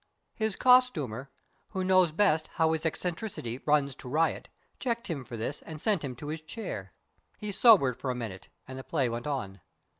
His costumer, who knows best how his eccentricity runs to riot, checked him for this and sent him to his chair. He sobered for a minute and the play went on.